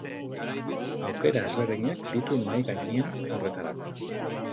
Aukera ezberdinak ditu mahai gainean horretarako.